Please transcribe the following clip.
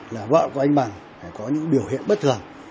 là vợ của anh bằng có những biểu hiện bất thường